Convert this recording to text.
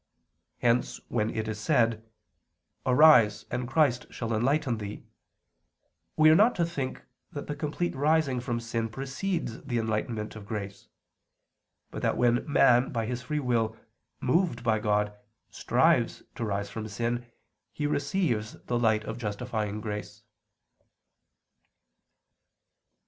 Hence when it is said, "Arise, and Christ shall enlighten thee," we are not to think that the complete rising from sin precedes the enlightenment of grace; but that when man by his free will, moved by God, strives to rise from sin, he receives the light of justifying grace.